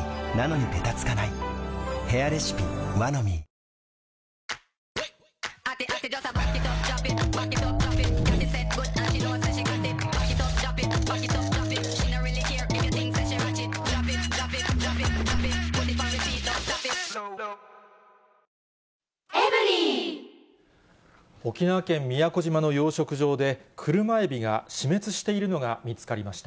こちらの養殖場で、沖縄県宮古島の養殖場で車エビが死滅しているのが見つかりました。